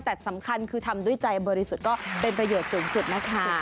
แต่สำคัญคือทำด้วยใจบริสุทธิ์ก็เป็นประโยชน์สูงสุดนะคะ